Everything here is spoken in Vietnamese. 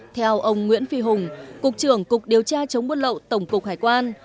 theo ông nguyễn phi hùng cục trưởng cục điều tra chống buôn lậu tổng cục hải quan